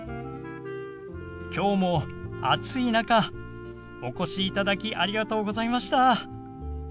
きょうも暑い中お越しいただきありがとうございました。